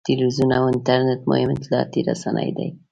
تلویزیون او انټرنېټ مهم اطلاعاتي رسنۍ دي.